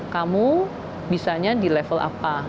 kamu bisanya di level apa